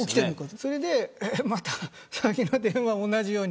それで、また詐欺の電話を同じように。